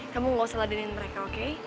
kamu ga usah ladenin mereka oke